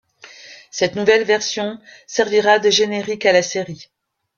Cette nouvelle version servira de générique à la série.